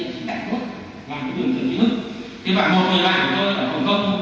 thế bạn một người bạn của tôi ở hong kong